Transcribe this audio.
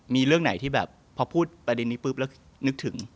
มีเรื่องไหนที่แบบพอพูดประเด็นนี้ปุ๊บแล้วนึกถึง